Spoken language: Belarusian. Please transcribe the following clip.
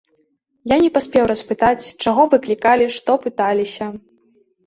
Я не паспеў распытаць, чаго выклікалі, што пыталіся.